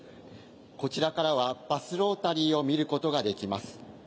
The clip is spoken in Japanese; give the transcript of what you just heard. こちらからはバスロータリーを見ることができます。